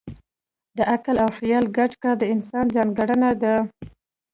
د عقل او خیال ګډ کار د انسان ځانګړنه ده.